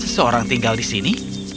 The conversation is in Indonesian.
seorang tinggal di sini